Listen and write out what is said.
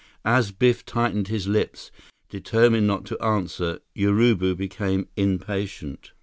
As Biff tightened his lips, determined not to answer, Urubu became impatient.